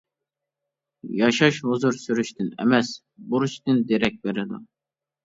ياشاش ھۇزۇر سۈرۈشتىن ئەمەس، بۇرچتىن دېرەك بېرىدۇ.